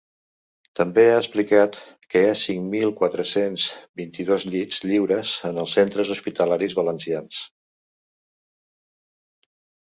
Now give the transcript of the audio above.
També ha explicat que hi ha cinc mil quatre-cents vint-i-dos llits lliures en els centres hospitalaris valencians.